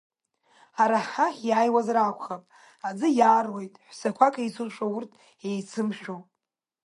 Ҳара ҳахь иаауазар акәхап, аӡы иааруеит, ҳәсақәак, еицушәа урҭ, еицымшәа.